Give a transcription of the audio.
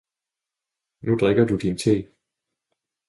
Nu drikker du din te!